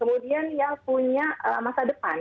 kemudian yang punya masa depan